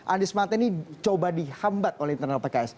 anies mata ini coba dihambat oleh internal pks